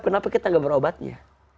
kenapa kita gak berobatnya